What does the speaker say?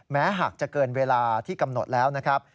แม้หากจะเกินเวลาที่กำหนดแล้วนะครับ